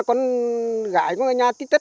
con gái con ở nhà tích tích